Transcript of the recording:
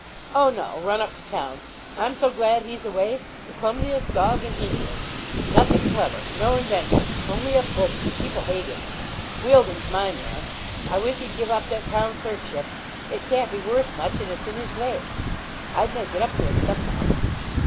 'Oh, no run up to town. I'm so glad he's away the clumsiest dog in England nothing clever no invention only a bully the people hate him. Wealdon's my man. I wish he'd give up that town clerkship it can't be worth much, and it's in his way I'd make it up to him somehow.